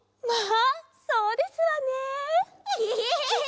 まあそうですわね。